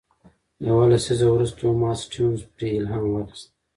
یو لسیزه وروسته توماس سټيونز پرې الهام واخیست.